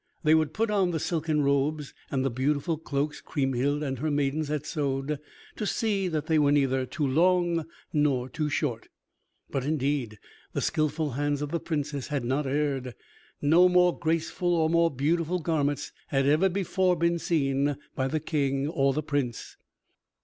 They would put on the silken robes and the beautiful cloaks Kriemhild and her maidens had sewed to see that they were neither too long nor too short. But indeed the skilful hands of the Princess had not erred. No more graceful or more beautiful garments had ever before been seen by the King or the Prince.